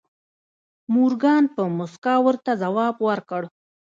مورګان په موسکا ورته ځواب ورکړ